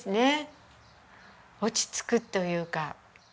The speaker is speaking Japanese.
落ち着くというか。